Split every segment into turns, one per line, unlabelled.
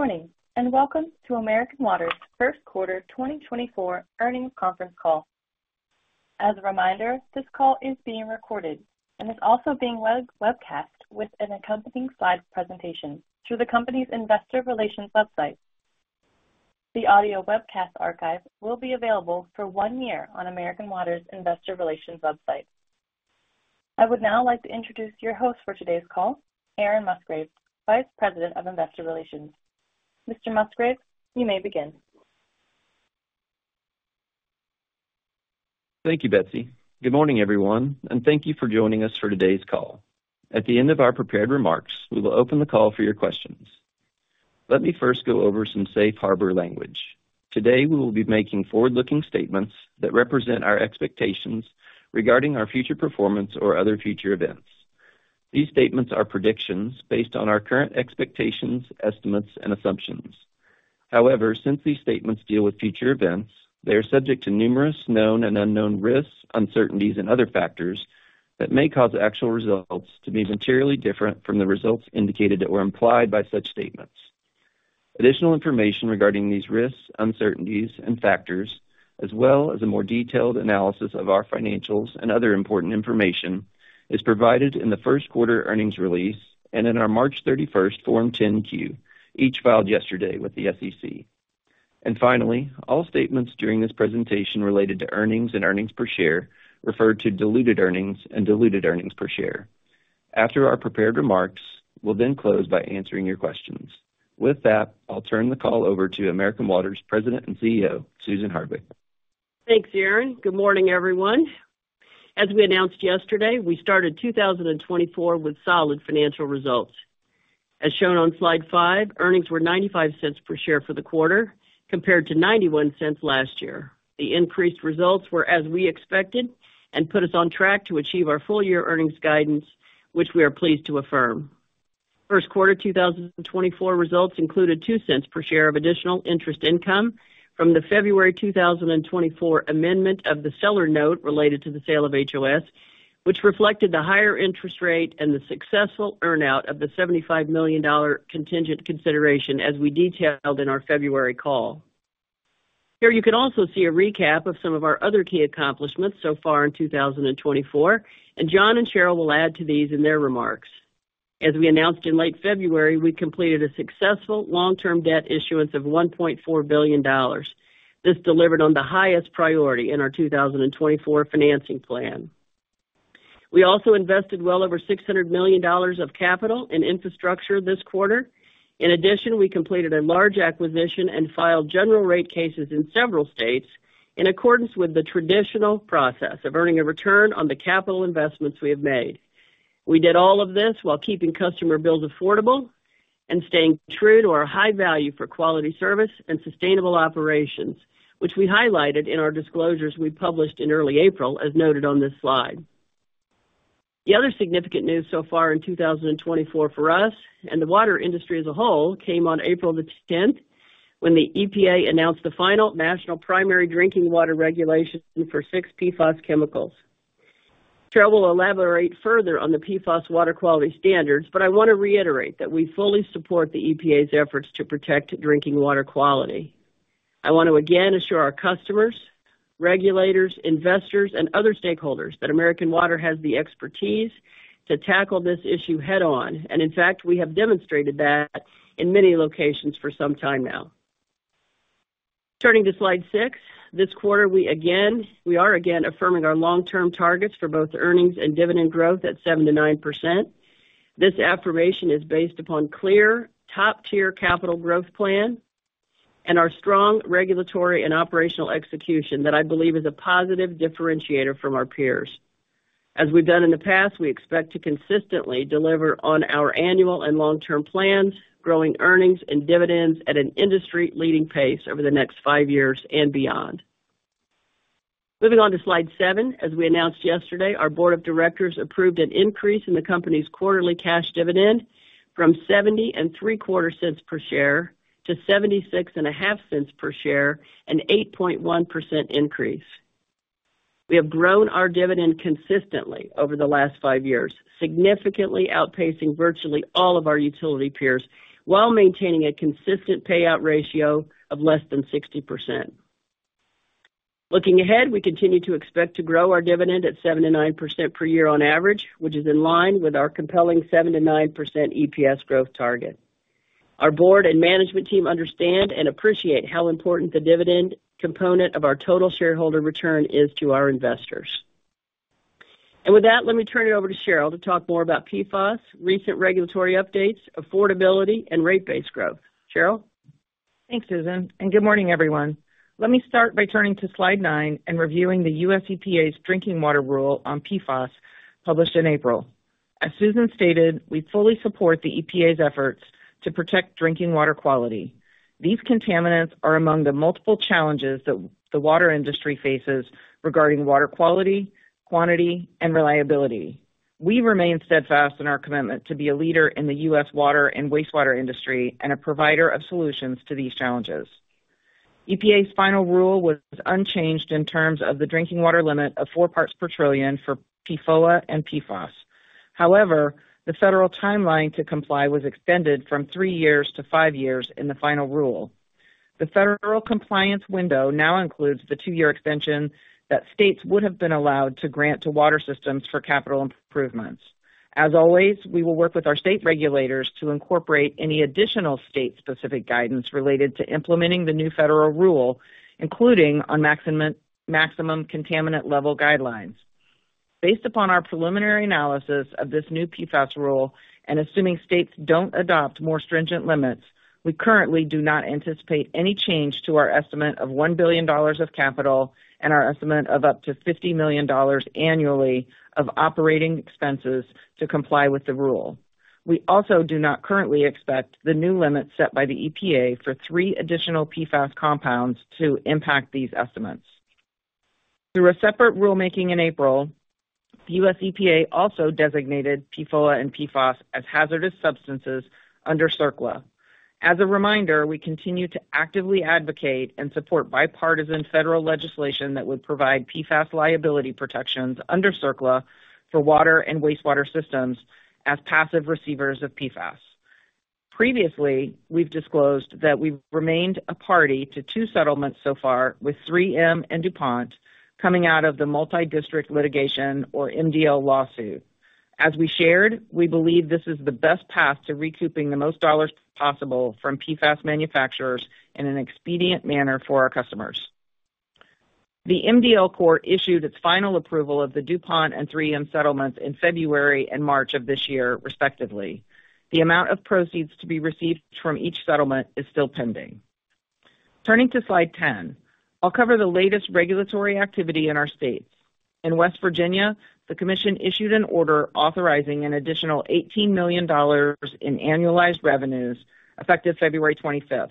Good morning, and welcome to American Water's first quarter 2024 earnings conference call. As a reminder, this call is being recorded and is also being webcast with an accompanying slide presentation through the company's investor relations website. The audio webcast archive will be available for 1 year on American Water's investor relations website. I would now like to introduce your host for today's call, Aaron Musgrave, Vice President of Investor Relations. Mr. Musgrave, you may begin.
Thank you, Betsy. Good morning, everyone, and thank you for joining us for today's call. At the end of our prepared remarks, we will open the call for your questions. Let me first go over some safe harbor language. Today, we will be making forward-looking statements that represent our expectations regarding our future performance or other future events. These statements are predictions based on our current expectations, estimates, and assumptions. However, since these statements deal with future events, they are subject to numerous known and unknown risks, uncertainties, and other factors that may cause actual results to be materially different from the results indicated or implied by such statements. Additional information regarding these risks, uncertainties and factors, as well as a more detailed analysis of our financials and other important information, is provided in the first quarter earnings release and in our March 31 Form 10-Q, each filed yesterday with the SEC. Finally, all statements during this presentation related to earnings and earnings per share refer to diluted earnings and diluted earnings per share. After our prepared remarks, we'll then close by answering your questions. With that, I'll turn the call over to American Water's President and CEO, Susan Hardwick.
Thanks, Aaron. Good morning, everyone. As we announced yesterday, we started 2024 with solid financial results. As shown on slide 5, earnings were $0.95 per share for the quarter, compared to $0.91 last year. The increased results were as we expected and put us on track to achieve our full-year earnings guidance, which we are pleased to affirm. First quarter 2024 results included $0.02 per share of additional interest income from the February 2024 amendment of the seller note related to the sale of HOS, which reflected the higher interest rate and the successful earn-out of the $75 million contingent consideration, as we detailed in our February call. Here you can also see a recap of some of our other key accomplishments so far in 2024, and John and Cheryl will add to these in their remarks. As we announced in late February, we completed a successful long-term debt issuance of $1.4 billion. This delivered on the highest priority in our 2024 financing plan. We also invested well over $600 million of capital in infrastructure this quarter. In addition, we completed a large acquisition and filed general rate cases in several states in accordance with the traditional process of earning a return on the capital investments we have made. We did all of this while keeping customer bills affordable and staying true to our high value for quality service and sustainable operations, which we highlighted in our disclosures we published in early April, as noted on this slide. The other significant news so far in 2024 for us, and the water industry as a whole, came on April 10, when the EPA announced the final National Primary Drinking Water Regulation for six PFAS chemicals. Cheryl will elaborate further on the PFAS water quality standards, but I want to reiterate that we fully support the EPA's efforts to protect drinking water quality. I want to again assure our customers, regulators, investors, and other stakeholders that American Water has the expertise to tackle this issue head-on, and in fact, we have demonstrated that in many locations for some time now. Turning to slide 6. This quarter, we are again affirming our long-term targets for both earnings and dividend growth at 7%-9%. This affirmation is based upon clear, top-tier capital growth plan and our strong regulatory and operational execution that I believe is a positive differentiator from our peers. As we've done in the past, we expect to consistently deliver on our annual and long-term plans, growing earnings and dividends at an industry-leading pace over the next five years and beyond. Moving on to slide 7. As we announced yesterday, our board of directors approved an increase in the company's quarterly cash dividend from $0.7075 per share to $0.765 per share, an 8.1% increase. We have grown our dividend consistently over the last five years, significantly outpacing virtually all of our utility peers, while maintaining a consistent payout ratio of less than 60%. Looking ahead, we continue to expect to grow our dividend at 7% to 9% per year on average, which is in line with our compelling 7% to 9% EPS growth target. Our board and management team understand and appreciate how important the dividend component of our total shareholder return is to our investors. And with that, let me turn it over to Cheryl to talk more about PFAS, recent regulatory updates, affordability, and rate base growth. Cheryl?
Thanks, Susan, and good morning, everyone. Let me start by turning to slide 9 and reviewing the U.S. EPA's drinking water rule on PFAS, published in April. As Susan stated, we fully support the EPA's efforts to protect drinking water quality. These contaminants are among the multiple challenges that the water industry faces regarding water quality, quantity, and reliability. We remain steadfast in our commitment to be a leader in the U.S. water and wastewater industry and a provider of solutions to these challenges. EPA's final rule was unchanged in terms of the drinking water limit of 4 parts per trillion for PFOA and PFOS. However, the federal timeline to comply was extended from 3 years to 5 years in the final rule. The federal compliance window now includes the 2-year extension that states would have been allowed to grant to water systems for capital improvements. As always, we will work with our state regulators to incorporate any additional state-specific guidance related to implementing the new federal rule, including on maximum contaminant level guidelines. Based upon our preliminary analysis of this new PFAS rule, and assuming states don't adopt more stringent limits, we currently do not anticipate any change to our estimate of $1 billion of capital and our estimate of up to $50 million annually of operating expenses to comply with the rule. We also do not currently expect the new limits set by the EPA for three additional PFAS compounds to impact these estimates. Through a separate rulemaking in April, the U.S. EPA also designated PFOA and PFOS as hazardous substances under CERCLA. As a reminder, we continue to actively advocate and support bipartisan federal legislation that would provide PFAS liability protections under CERCLA for water and wastewater systems as passive receivers of PFAS. Previously, we've disclosed that we've remained a party to 2 settlements so far, with 3M and DuPont, coming out of the multidistrict litigation or MDL lawsuit. As we shared, we believe this is the best path to recouping the most dollars possible from PFAS manufacturers in an expedient manner for our customers. The MDL court issued its final approval of the DuPont and 3M settlements in February and March of this year, respectively. The amount of proceeds to be received from each settlement is still pending. Turning to slide 10, I'll cover the latest regulatory activity in our states. In West Virginia, the commission issued an order authorizing an additional $18 million in annualized revenues, effective February 25.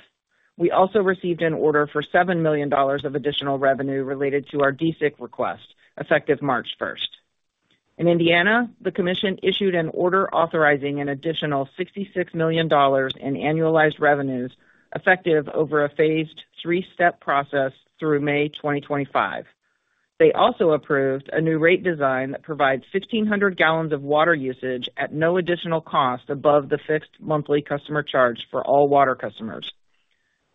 We also received an order for $7 million of additional revenue related to our DSIC request, effective March 1. In Indiana, the commission issued an order authorizing an additional $66 million in annualized revenues, effective over a phased three-step process through May 2025. They also approved a new rate design that provides 1,600 gallons of water usage at no additional cost above the fixed monthly customer charge for all water customers.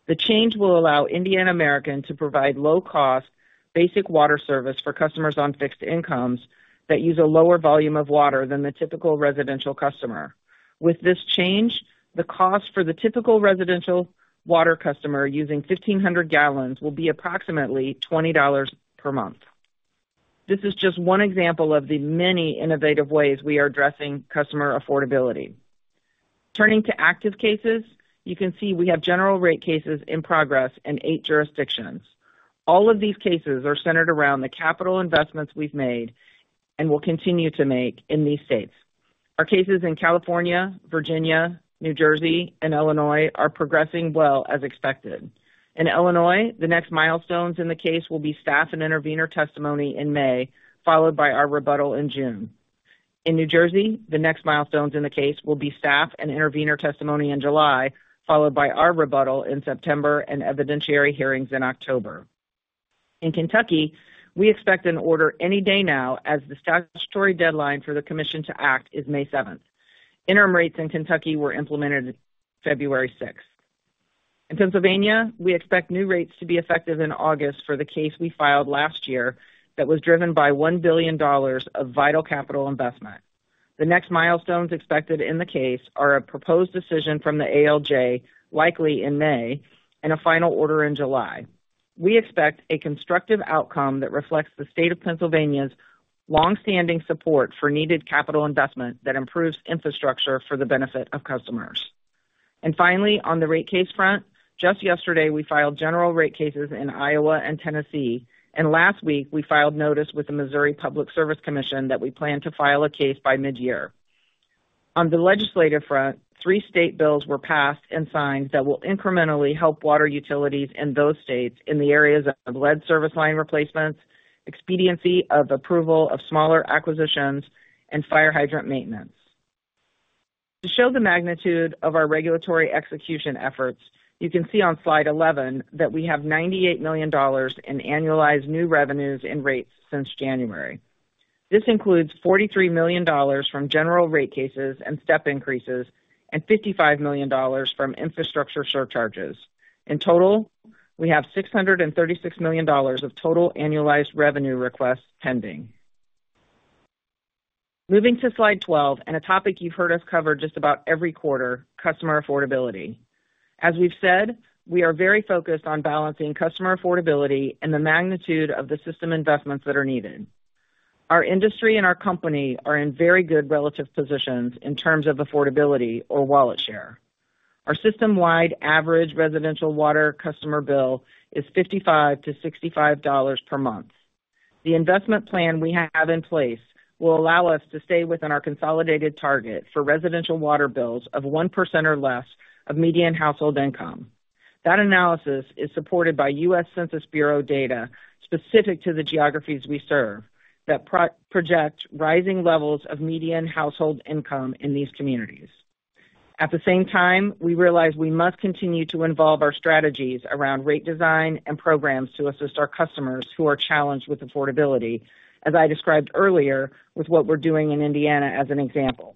The change will allow Indiana American to provide low-cost, basic water service for customers on fixed incomes that use a lower volume of water than the typical residential customer. With this change, the cost for the typical residential water customer using 1,500 gallons will be approximately $20 per month. This is just one example of the many innovative ways we are addressing customer affordability. Turning to active cases, you can see we have general rate cases in progress in eight jurisdictions. All of these cases are centered around the capital investments we've made and will continue to make in these states. Our cases in California, Virginia, New Jersey, and Illinois are progressing well, as expected. In Illinois, the next milestones in the case will be staff and intervener testimony in May, followed by our rebuttal in June. In New Jersey, the next milestones in the case will be staff and intervener testimony in July, followed by our rebuttal in September and evidentiary hearings in October. In Kentucky, we expect an order any day now, as the statutory deadline for the commission to act is May seventh. Interim rates in Kentucky were implemented February sixth. In Pennsylvania, we expect new rates to be effective in August for the case we filed last year that was driven by $1 billion of vital capital investment. The next milestones expected in the case are a proposed decision from the ALJ, likely in May, and a final order in July. We expect a constructive outcome that reflects the state of Pennsylvania's longstanding support for needed capital investment that improves infrastructure for the benefit of customers. And finally, on the rate case front, just yesterday, we filed general rate cases in Iowa and Tennessee, and last week we filed notice with the Missouri Public Service Commission that we plan to file a case by mid-year. On the legislative front, three state bills were passed and signed that will incrementally help water utilities in those states in the areas of lead service line replacements, expediency of approval of smaller acquisitions, and fire hydrant maintenance. To show the magnitude of our regulatory execution efforts, you can see on slide 11 that we have $98 million in annualized new revenues and rates since January. This includes $43 million from general rate cases and step increases and $55 million from infrastructure surcharges. In total, we have $636 million of total annualized revenue requests pending. Moving to slide 12 and a topic you've heard us cover just about every quarter: customer affordability. As we've said, we are very focused on balancing customer affordability and the magnitude of the system investments that are needed. Our industry and our company are in very good relative positions in terms of affordability or wallet share. Our system-wide average residential water customer bill is $55 to $65 per month. The investment plan we have in place will allow us to stay within our consolidated target for residential water bills of 1% or less of median household income. That analysis is supported by U.S. Census Bureau data specific to the geographies we serve, that project rising levels of median household income in these communities.... At the same time, we realize we must continue to evolve our strategies around rate design and programs to assist our customers who are challenged with affordability, as I described earlier, with what we're doing in Indiana, as an example.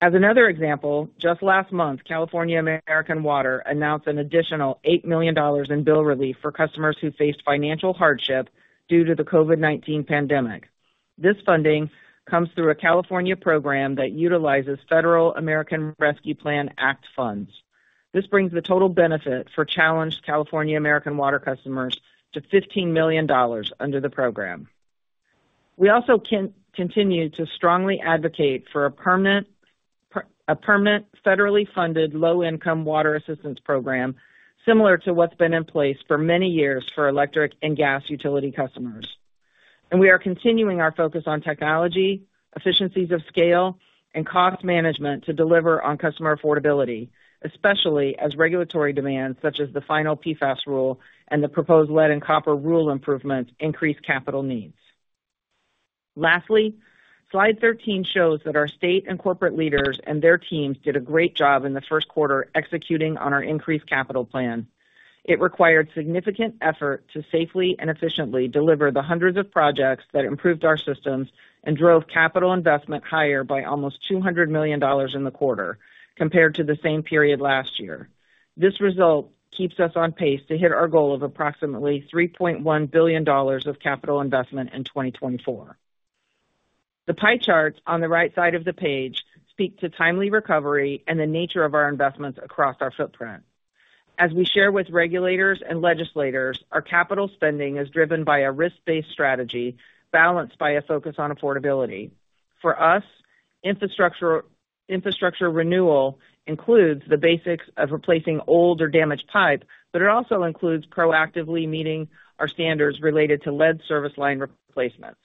As another example, just last month, California American Water announced an additional $8 million in bill relief for customers who faced financial hardship due to the COVID-19 pandemic. This funding comes through a California program that utilizes federal American Rescue Plan Act funds. This brings the total benefit for challenged California American Water customers to $15 million under the program. We also continue to strongly advocate for a permanent, federally funded, low-income water assistance program, similar to what's been in place for many years for electric and gas utility customers. We are continuing our focus on technology, efficiencies of scale, and cost management to deliver on customer affordability, especially as regulatory demands, such as the final PFAS rule and the proposed Lead and Copper Rule improvements, increase capital needs. Lastly, slide 13 shows that our state and corporate leaders and their teams did a great job in the first quarter executing on our increased capital plan. It required significant effort to safely and efficiently deliver the hundreds of projects that improved our systems and drove capital investment higher by almost $200 million in the quarter compared to the same period last year. This result keeps us on pace to hit our goal of approximately $3.1 billion of capital investment in 2024. The pie charts on the right side of the page speak to timely recovery and the nature of our investments across our footprint. As we share with regulators and legislators, our capital spending is driven by a risk-based strategy balanced by a focus on affordability. For us, infrastructure renewal includes the basics of replacing old or damaged pipe, but it also includes proactively meeting our standards related to lead service line replacements.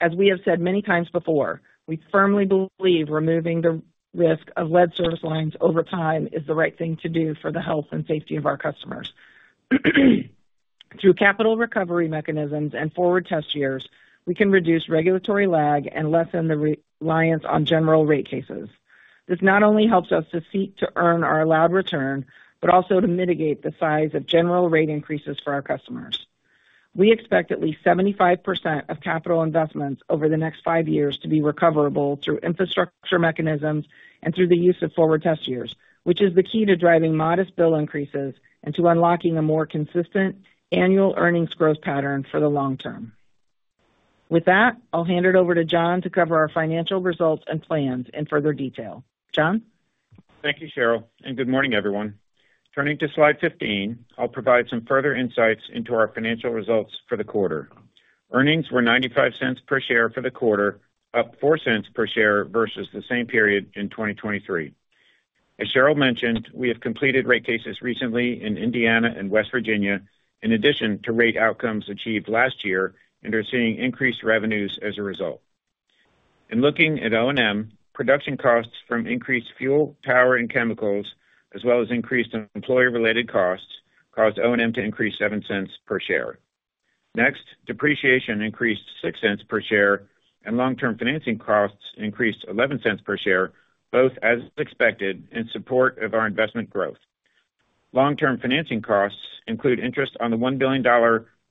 As we have said many times before, we firmly believe removing the risk of lead service lines over time is the right thing to do for the health and safety of our customers. Through capital recovery mechanisms and forward test years, we can reduce regulatory lag and lessen the reliance on general rate cases. This not only helps us to seek to earn our allowed return, but also to mitigate the size of general rate increases for our customers. We expect at least 75% of capital investments over the next 5 years to be recoverable through infrastructure mechanisms and through the use of forward test years, which is the key to driving modest bill increases and to unlocking a more consistent annual earnings growth pattern for the long term. With that, I'll hand it over to John to cover our financial results and plans in further detail. John?
Thank you, Cheryl, and good morning, everyone. Turning to slide 15, I'll provide some further insights into our financial results for the quarter. Earnings were $0.95 per share for the quarter, up $0.04 per share versus the same period in 2023. As Cheryl mentioned, we have completed rate cases recently in Indiana and West Virginia, in addition to rate outcomes achieved last year, and are seeing increased revenues as a result. In looking at O&M, production costs from increased fuel, power, and chemicals, as well as increased employee-related costs, caused O&M to increase $0.07 per share. Next, depreciation increased $0.06 per share, and long-term financing costs increased $0.11 per share, both as expected, in support of our investment growth. Long-term financing costs include interest on the $1 billion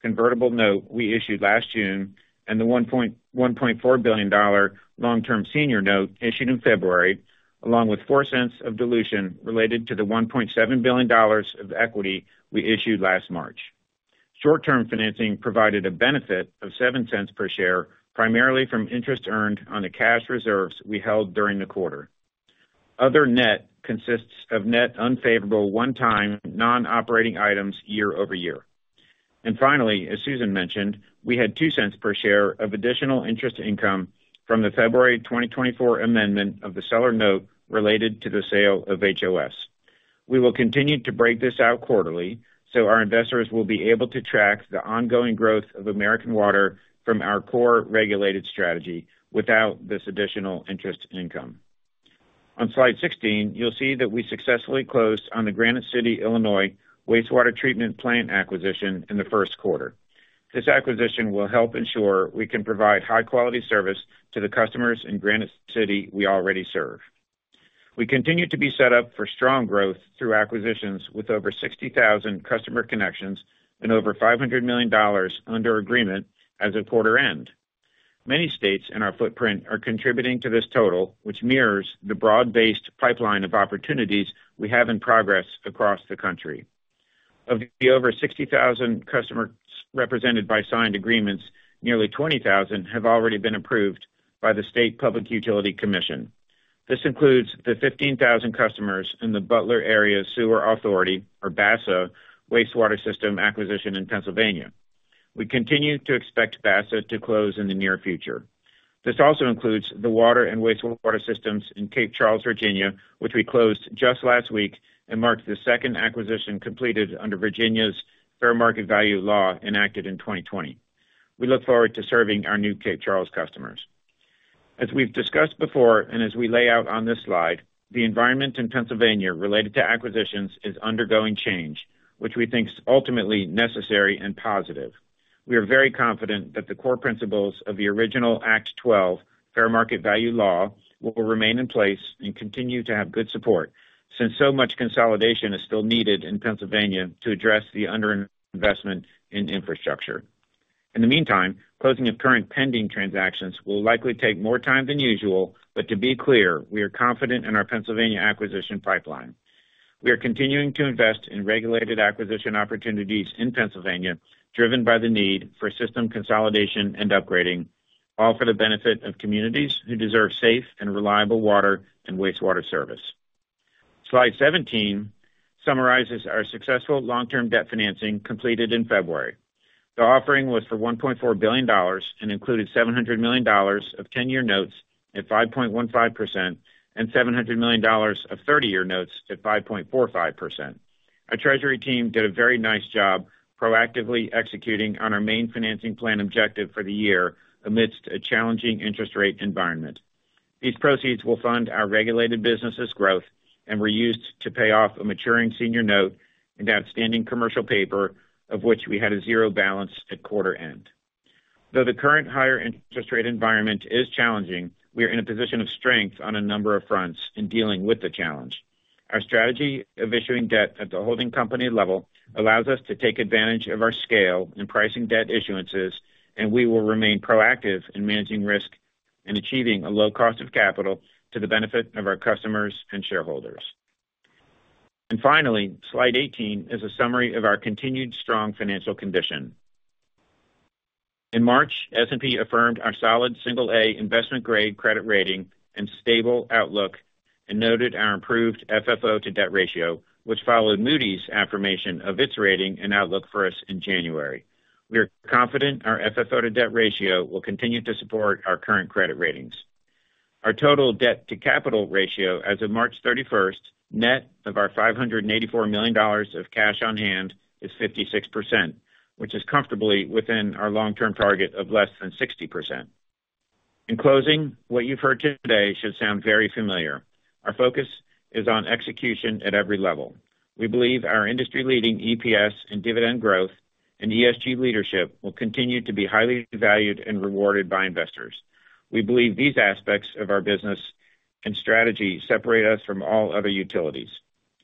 convertible note we issued last June and the $1.4 billion long-term senior note issued in February, along with $0.04 of dilution related to the $1.7 billion of equity we issued last March. Short-term financing provided a benefit of $0.07 per share, primarily from interest earned on the cash reserves we held during the quarter. Other net consists of net unfavorable, one-time, non-operating items year-over-year. And finally, as Susan mentioned, we had $0.02 per share of additional interest income from the February 2024 amendment of the seller note related to the sale of HOS. We will continue to break this out quarterly, so our investors will be able to track the ongoing growth of American Water from our core regulated strategy without this additional interest income. On slide 16, you'll see that we successfully closed on the Granite City, Illinois, Wastewater Treatment Plant acquisition in the first quarter. This acquisition will help ensure we can provide high-quality service to the customers in Granite City we already serve. We continue to be set up for strong growth through acquisitions with over 60,000 customer connections and over $500 million under agreement as of quarter end. Many states in our footprint are contributing to this total, which mirrors the broad-based pipeline of opportunities we have in progress across the country. Of the over 60,000 customers represented by signed agreements, nearly 20,000 have already been approved by the State Public Utility Commission. This includes the 15,000 customers in the Butler Area Sewer Authority, or BASA, Wastewater System acquisition in Pennsylvania. We continue to expect BASA to close in the near future. This also includes the water and wastewater systems in Cape Charles, Virginia, which we closed just last week and marked the second acquisition completed under Virginia's fair market value law, enacted in 2020. We look forward to serving our new Cape Charles customers. As we've discussed before, and as we lay out on this slide, the environment in Pennsylvania related to acquisitions is undergoing change, which we think is ultimately necessary and positive. We are very confident that the core principles of the original Act 12 fair market value law will remain in place and continue to have good support, since so much consolidation is still needed in Pennsylvania to address the underinvestment in infrastructure. In the meantime, closing of current pending transactions will likely take more time than usual, but to be clear, we are confident in our Pennsylvania acquisition pipeline. We are continuing to invest in regulated acquisition opportunities in Pennsylvania, driven by the need for system consolidation and upgrading, all for the benefit of communities who deserve safe and reliable water and wastewater service. Slide 17 summarizes our successful long-term debt financing completed in February. The offering was for $1.4 billion and included $700 million of 10-year notes at 5.15% and $700 million of 30-year notes at 5.45%. Our treasury team did a very nice job proactively executing on our main financing plan objective for the year amidst a challenging interest rate environment. These proceeds will fund our regulated businesses' growth and were used to pay off a maturing senior note and outstanding commercial paper, of which we had a 0 balance at quarter end. Though the current higher interest rate environment is challenging, we are in a position of strength on a number of fronts in dealing with the challenge. Our strategy of issuing debt at the holding company level allows us to take advantage of our scale in pricing debt issuances, and we will remain proactive in managing risk and achieving a low cost of capital to the benefit of our customers and shareholders. Finally, slide 18 is a summary of our continued strong financial condition. In March, S&P affirmed our solid single A investment-grade credit rating and stable outlook, and noted our improved FFO to debt ratio, which followed Moody's affirmation of its rating and outlook for us in January. We are confident our FFO to debt ratio will continue to support our current credit ratings. Our total debt to capital ratio as of March 31st, net of our $584 million of cash on hand, is 56%, which is comfortably within our long-term target of less than 60%. In closing, what you've heard today should sound very familiar. Our focus is on execution at every level. We believe our industry-leading EPS and dividend growth and ESG leadership will continue to be highly valued and rewarded by investors. We believe these aspects of our business and strategy separate us from all other utilities,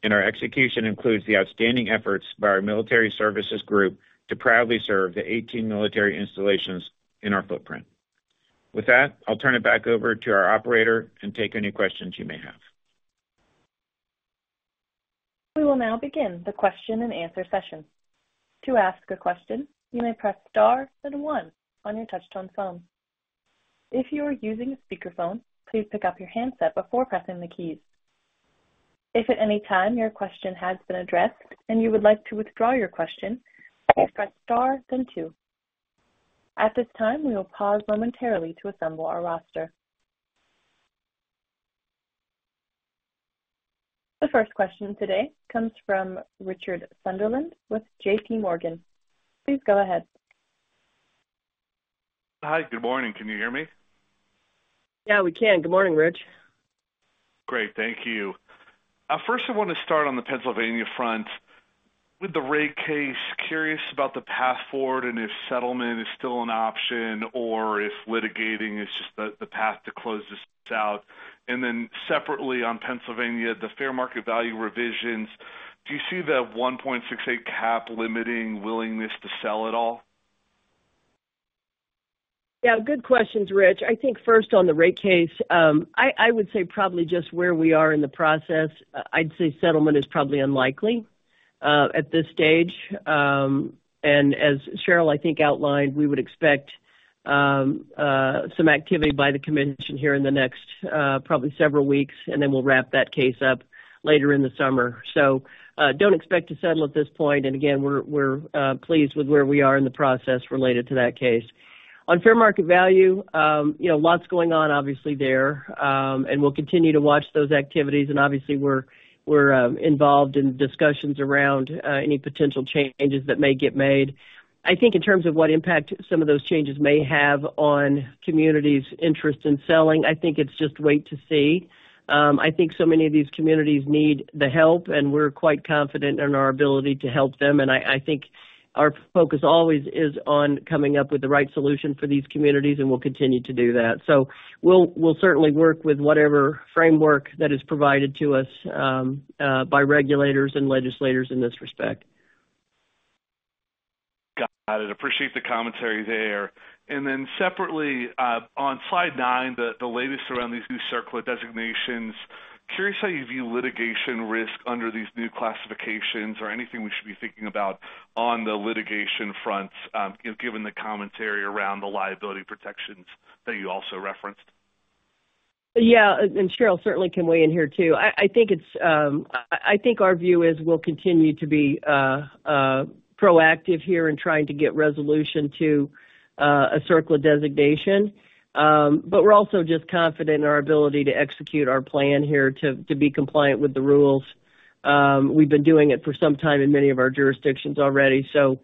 and our execution includes the outstanding efforts by our Military Services Group to proudly serve the 18 military installations in our footprint. With that, I'll turn it back over to our operator and take any questions you may have.
We will now begin the question-and-answer session. To ask a question, you may press star then one on your touchtone phone. If you are using a speakerphone, please pick up your handset before pressing the keys. If at any time your question has been addressed and you would like to withdraw your question, please press star then two. At this time, we will pause momentarily to assemble our roster. The first question today comes from Richard Sunderland with JPMorgan. Please go ahead.
Hi, good morning. Can you hear me?
Yeah, we can. Good morning, Rich.
Great. Thank you. First, I want to start on the Pennsylvania front. With the rate case, curious about the path forward and if settlement is still an option or if litigating is just the path to close this out. And then separately, on Pennsylvania, the fair market value revisions, do you see the 1.68 cap limiting willingness to sell at all?
Yeah, good questions, Rich. I think first on the rate case, I would say probably just where we are in the process. I'd say settlement is probably unlikely at this stage. And as Cheryl, I think, outlined, we would expect some activity by the commission here in the next probably several weeks, and then we'll wrap that case up later in the summer. So, don't expect to settle at this point. And again, we're pleased with where we are in the process related to that case. On fair market value, you know, lots going on, obviously, there, and we'll continue to watch those activities. And obviously, we're involved in discussions around any potential changes that may get made. I think in terms of what impact some of those changes may have on communities' interest in selling, I think it's just wait to see. I think so many of these communities need the help, and we're quite confident in our ability to help them. And I, I think our focus always is on coming up with the right solution for these communities, and we'll continue to do that. So we'll, we'll certainly work with whatever framework that is provided to us, by regulators and legislators in this respect.
Got it. Appreciate the commentary there. And then separately, on slide 9, the latest around these new CERCLA designations, curious how you view litigation risk under these new classifications or anything we should be thinking about on the litigation front, you know, given the commentary around the liability protections that you also referenced.
Yeah, and Cheryl certainly can weigh in here, too. I think our view is, we'll continue to be proactive here in trying to get resolution to a CERCLA designation. But we're also just confident in our ability to execute our plan here to be compliant with the rules. We've been doing it for some time in many of our jurisdictions already, so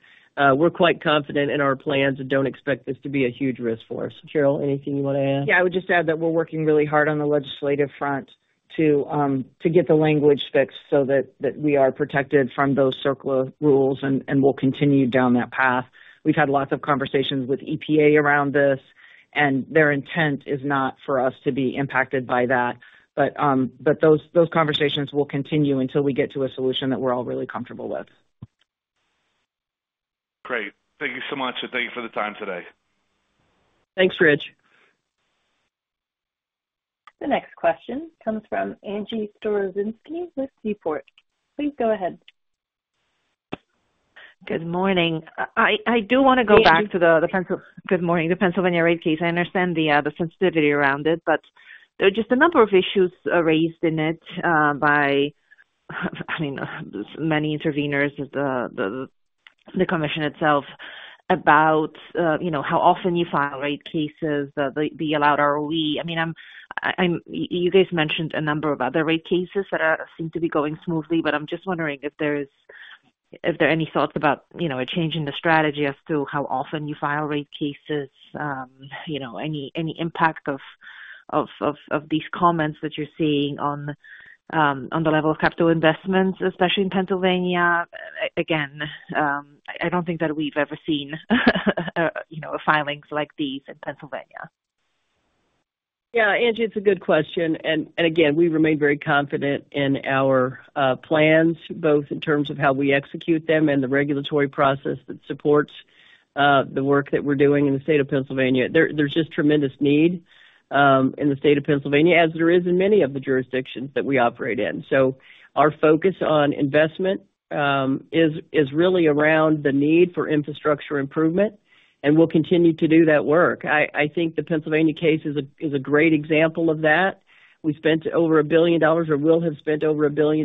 we're quite confident in our plans and don't expect this to be a huge risk for us. Cheryl, anything you want to add?
Yeah, I would just add that we're working really hard on the legislative front.... to get the language fixed so that we are protected from those CERCLA rules, and we'll continue down that path. We've had lots of conversations with EPA around this, and their intent is not for us to be impacted by that. But those conversations will continue until we get to a solution that we're all really comfortable with.
Great. Thank you so much, and thank you for the time today.
Thanks, Rich.
The next question comes from Angie Storozynski with Seaport. Please go ahead.
Good morning. I do want to go back to the-
Hey, Angie.
Good morning, the Pennsylvania rate case. I understand the sensitivity around it, but there are just a number of issues raised in it by, I mean, many interveners, the commission itself, about you know, how often you file rate cases, the allowed ROE. I mean, I'm—you guys mentioned a number of other rate cases that seem to be going smoothly, but I'm just wondering if there are any thoughts about you know, a change in the strategy as to how often you file rate cases, you know, any impact of these comments that you're seeing on the level of capital investments, especially in Pennsylvania? Again, I don't think that we've ever seen you know, filings like these in Pennsylvania.
Yeah, Angie, it's a good question. And again, we remain very confident in our plans, both in terms of how we execute them and the regulatory process that supports the work that we're doing in the state of Pennsylvania. There's just tremendous need in the state of Pennsylvania, as there is in many of the jurisdictions that we operate in. So our focus on investment is really around the need for infrastructure improvement, and we'll continue to do that work. I think the Pennsylvania case is a great example of that. We spent over $1 billion, or will have spent over $1 billion,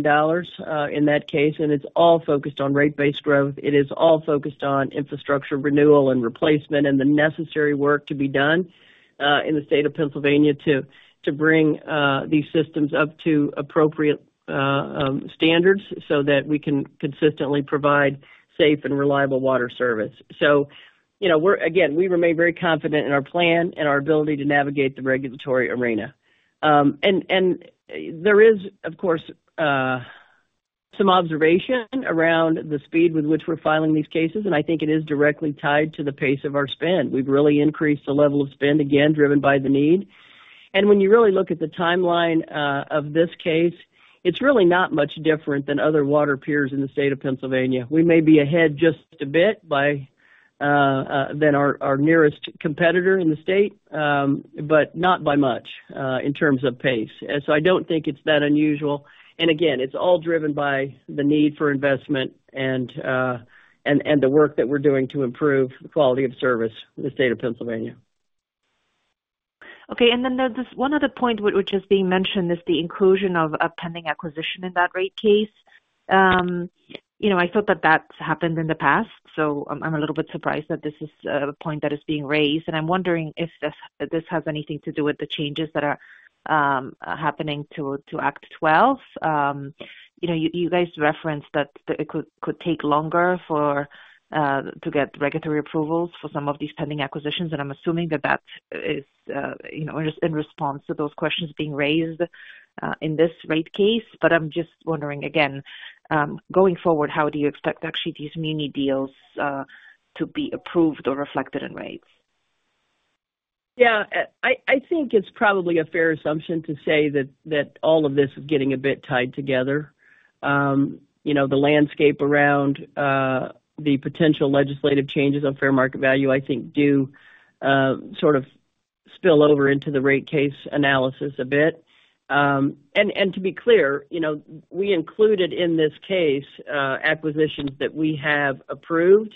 in that case, and it's all focused on rate-based growth. It is all focused on infrastructure renewal and replacement and the necessary work to be done in the state of Pennsylvania to bring these systems up to appropriate standards, so that we can consistently provide safe and reliable water service. So you know, we're... Again, we remain very confident in our plan and our ability to navigate the regulatory arena. And there is, of course, some observation around the speed with which we're filing these cases, and I think it is directly tied to the pace of our spend. We've really increased the level of spend, again, driven by the need. And when you really look at the timeline of this case, it's really not much different than other water peers in the state of Pennsylvania. We may be ahead just a bit by than our nearest competitor in the state, but not by much in terms of pace. So I don't think it's that unusual, and again, it's all driven by the need for investment and the work that we're doing to improve the quality of service in the state of Pennsylvania.
Okay, and then there's this one other point which is being mentioned, is the inclusion of a pending acquisition in that rate case. You know, I thought that that's happened in the past, so I'm a little bit surprised that this is a point that is being raised, and I'm wondering if this has anything to do with the changes that are happening to Act 12. You know, you guys referenced that it could take longer for to get regulatory approvals for some of these pending acquisitions, and I'm assuming that that is you know, in response to those questions being raised in this rate case. But I'm just wondering again, going forward, how do you expect actually these mini-deals to be approved or reflected in rates?
Yeah, I think it's probably a fair assumption to say that all of this is getting a bit tied together. You know, the landscape around the potential legislative changes on fair market value, I think, do sort of spill over into the rate case analysis a bit. And to be clear, you know, we included in this case acquisitions that we have approved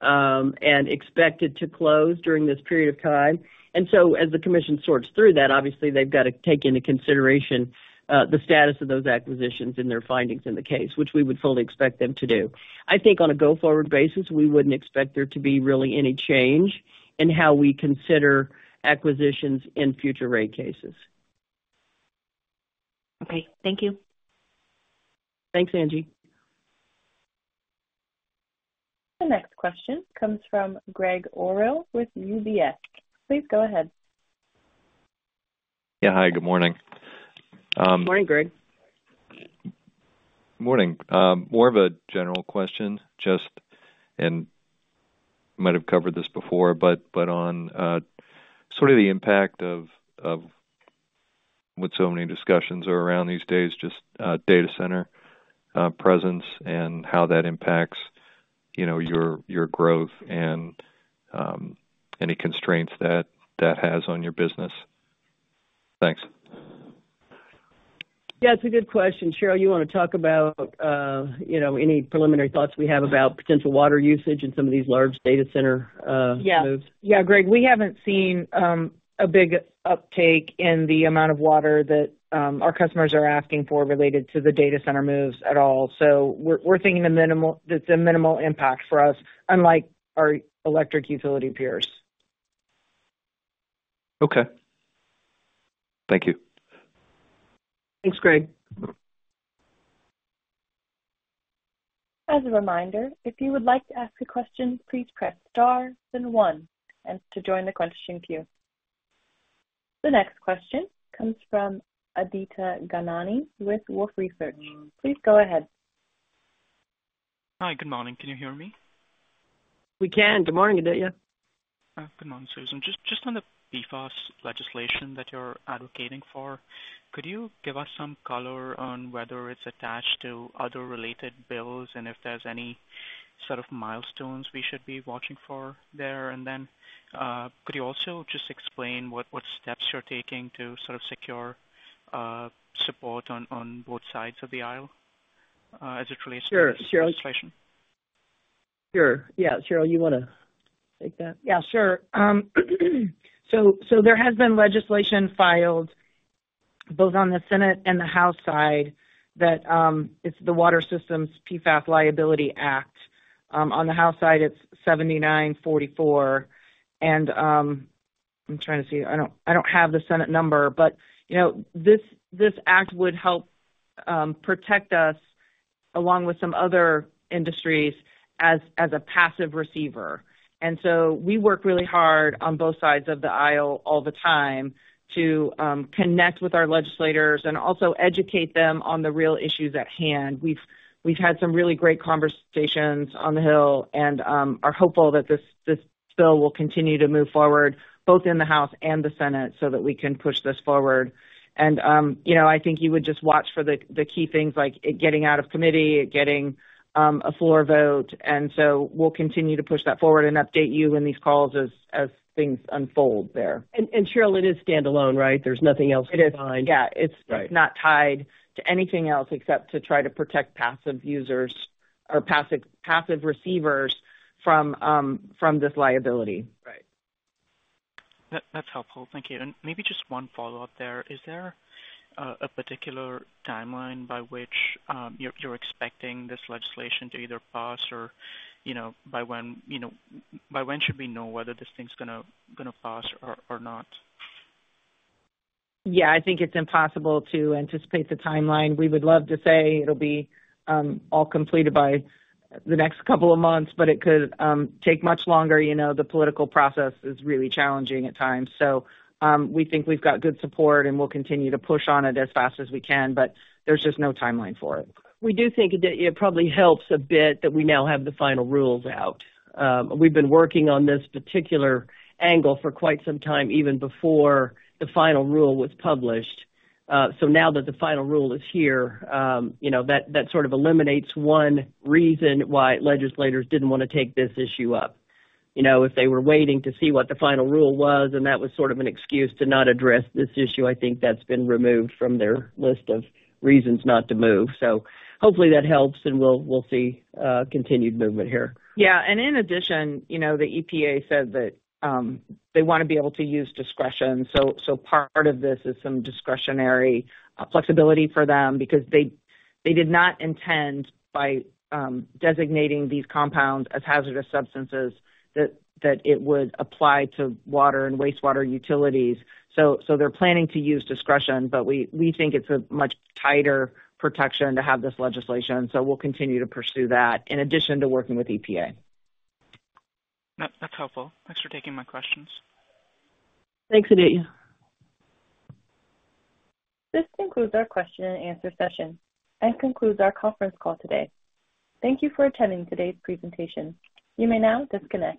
and expected to close during this period of time. And so as the commission sorts through that, obviously they've got to take into consideration the status of those acquisitions in their findings in the case, which we would fully expect them to do. I think on a go-forward basis, we wouldn't expect there to be really any change in how we consider acquisitions in future rate cases.
Okay. Thank you.
Thanks, Angie.
The next question comes from Gregg Orrill with UBS. Please go ahead.
Yeah. Hi, good morning.
Morning, Greg.
Morning. More of a general question, just and might have covered this before, but on sort of the impact of what so many discussions are around these days, just data center presence and how that impacts, you know, your growth and any constraints that has on your business. Thanks.
Yeah, it's a good question. Cheryl, you want to talk about, you know, any preliminary thoughts we have about potential water usage in some of these large data center moves?
Yeah, Greg, we haven't seen a big uptake in the amount of water that our customers are asking for related to the data center moves at all. So we're thinking it's a minimal impact for us, unlike our electric utility peers.
Okay. Thank you.
Thanks, Greg.
As a reminder, if you would like to ask a question, please press Star then one and to join the questioning queue. The next question comes from Aditya Gandhi with Wolfe Research. Please go ahead.
Hi, good morning. Can you hear me?
We can. Good morning, Aditya.
Good morning, Susan. Just, just on the PFAS legislation that you're advocating for, could you give us some color on whether it's attached to other related bills and if there's any sort of milestones we should be watching for there? And then, could you also just explain what, what steps you're taking to sort of secure, support on, on both sides of the aisle, as it relates to-
Sure, Cheryl.
-legislation.
Sure. Yeah. Cheryl, you want to take that?
Yeah, sure. So there has been legislation filed both on the Senate and the House side, that it's the Water Systems PFAS Liability Act. On the House side, it's 7944, and I'm trying to see. I don't have the Senate number, but you know, this act would help protect us, along with some other industries, as a passive receiver. So we work really hard on both sides of the aisle all the time to connect with our legislators and also educate them on the real issues at hand. We've had some really great conversations on the Hill and are hopeful that this bill will continue to move forward, both in the House and the Senate, so that we can push this forward. You know, I think you would just watch for the key things like it getting out of committee, getting a floor vote, and so we'll continue to push that forward and update you in these calls as things unfold there.
And, Cheryl, it is standalone, right? There's nothing else behind.
It is, yeah.
Right.
It's not tied to anything else except to try to protect passive users or passive receivers from this liability.
Right.
That, that's helpful. Thank you. And maybe just one follow-up there. Is there a particular timeline by which, you're expecting this legislation to either pass or, you know, by when, you know... By when should we know whether this thing's gonna pass or not?
Yeah, I think it's impossible to anticipate the timeline. We would love to say it'll be all completed by the next couple of months, but it could take much longer. You know, the political process is really challenging at times, so we think we've got good support, and we'll continue to push on it as fast as we can, but there's just no timeline for it.
We do think that it probably helps a bit that we now have the final rules out. We've been working on this particular angle for quite some time, even before the final rule was published. So now that the final rule is here, you know, that, that sort of eliminates one reason why legislators didn't want to take this issue up. You know, if they were waiting to see what the final rule was, and that was sort of an excuse to not address this issue, I think that's been removed from their list of reasons not to move. So hopefully that helps, and we'll, we'll see continued movement here.
Yeah, and in addition, you know, the EPA said that they want to be able to use discretion. So part of this is some discretionary flexibility for them because they did not intend by designating these compounds as hazardous substances that it would apply to water and wastewater utilities. So they're planning to use discretion, but we think it's a much tighter protection to have this legislation. So we'll continue to pursue that in addition to working with EPA.
That's helpful. Thanks for taking my questions.
Thanks, Aditya.
This concludes our question and answer session and concludes our conference call today. Thank you for attending today's presentation. You may now disconnect.